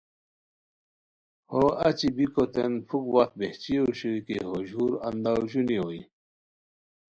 ہو اچی بیکوتین پُھک وخت بہچی اوشوئے کی ہو ژور انداؤ ژونی ہوئے